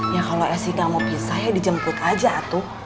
ya kalau sida mau pisah ya dijemput aja tuh